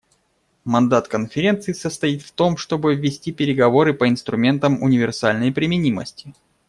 Мандат Конференции состоит в том, чтобы вести переговоры по инструментам универсальной применимости.